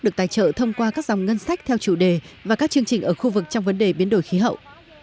được tài trợ thông qua các dòng ngân sách theo chủ đề và các chương trình ở khu vực trong vấn đề biến đổi khí hậu